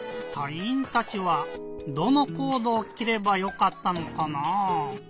いいんたちはどのコードをきればよかったのかなぁ？